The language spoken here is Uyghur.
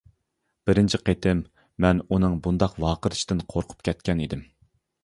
بىرىنچى قېتىم، مەن ئۇنىڭ بۇنداق ۋارقىرىشىدىن قورقۇپ كەتكەن ئىدىم.